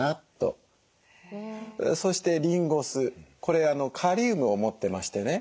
そしてリンゴ酢これカリウムを持ってましてね。